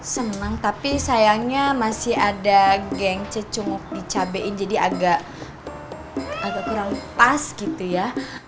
senang tapi sayangnya masih ada geng cecunguk dicabein jadi agak kurang pas gitu ya